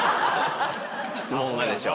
質問がでしょ？